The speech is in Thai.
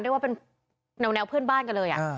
ได้ว่าเป็นแนวแนวเพื่อนบ้านกันเลยอ่ะอือ